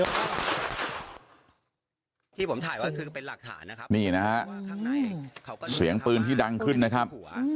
นี่นะครับเสียงปืนที่ดังขึ้นนะครับ